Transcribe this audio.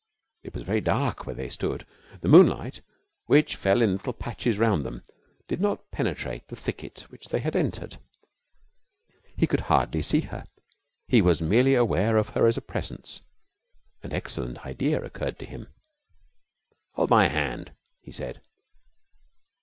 It was very dark where they stood. The moonlight, which fell in little patches round them, did not penetrate the thicket which they had entered. He could hardly see her. He was merely aware of her as a presence. An excellent idea occurred to him. 'Hold my hand,' he said.